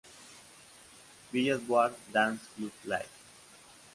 Billboard dance club play.